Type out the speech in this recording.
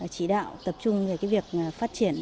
chỉ đạo tập trung về việc phát triển